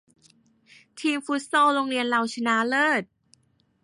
ทีมฟุตซอลโรงเรียนเราชนะเลิศ